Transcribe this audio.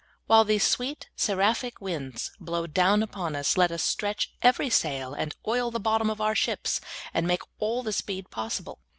While these sweet seraphic winds blow down upon us, let us stretch every sail, and oil the bottom of our ships, and make all the speed possible.